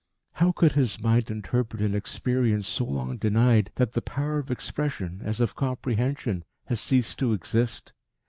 How could his mind interpret an experience so long denied that the power of expression, as of comprehension, has ceased to exist?